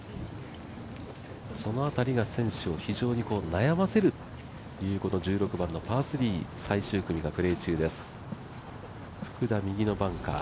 その辺りが選手を非常に悩ませるという１６番のパー３、最終組がプレー中です。